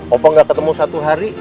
ova gak ketemu satu hari